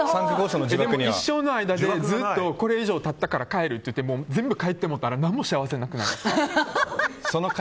一生の間にこれ以上経ったから帰るって言って全部帰ってもうたら何も幸せなくないですか？